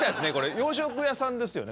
洋食屋さんですよね？